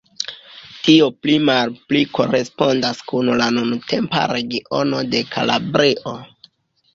Tio pli malpli korespondas kun la nuntempa regiono de Kalabrio.